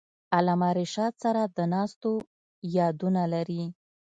علامه رشاد سره د ناستو یادونه لري.